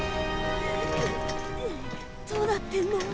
どうなってんの？